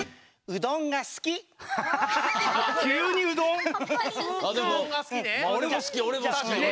「うどんがすき」ね。